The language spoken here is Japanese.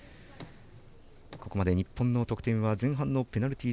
ここまで日本の得点は前半のペナルティー